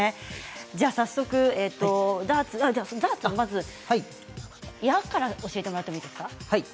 早速、矢から教えてもらってもいいですか。